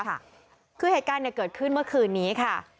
คือเหตุการณ์เกิดขึ้นเมื่อคืนนี้ค่ะ